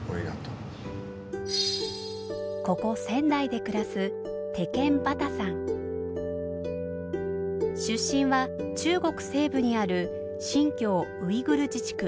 ここ仙台で暮らす出身は中国西部にある新疆ウイグル自治区。